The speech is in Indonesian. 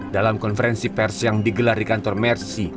dalam konferensi pers yang digelar di kantor mersi